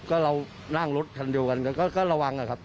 ก็เรานั่งรถคันเดียวกันก็ระวังนะครับ